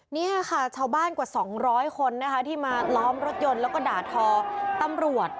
นี่ค่ะชาวบ้านกว่า๒๐๐คนนะคะที่มาล้อมรถยนต์แล้วก็ด่าทอตำรวจ